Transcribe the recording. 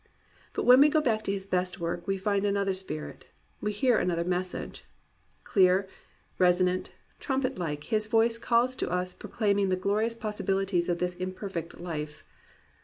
But when we go back to his best work we find another spirit, we hear another message. Clear, resonant, trumpet like his voice calls to us pro claiming the glorious possibilities of this imperfect life.